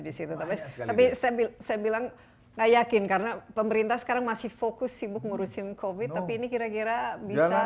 di situ tapi saya bilang gak yakin karena pemerintah sekarang masih fokus sibuk ngurusin covid tapi ini kira kira bisa